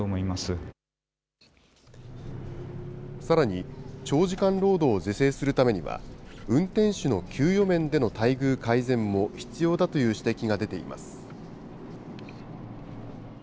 さらに、長時間労働を是正するためには、運転手の給与面での待遇改善も必要だという指摘が出ています。